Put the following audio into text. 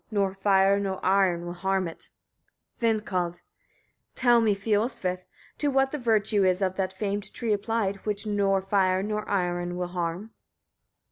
Nor fire nor iron will harm it. Vindkald. 22. Tell me, Fiolsvith! etc., to what the virtue is of that famed tree applied, which nor fire nor iron will harm?